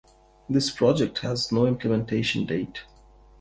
This project has no implementation date.